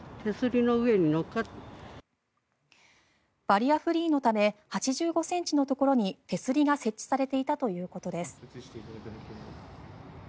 バリアフリーのため８５ｃｍのところに手すりが設置されていたということです。